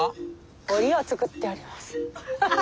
おりを作っております！